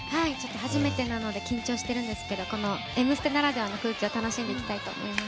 初めてなので緊張してるんですけどこの「Ｍステ」ならではの空気を楽しんでいきたいと思います。